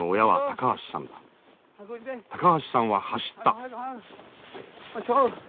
高橋さんは走った。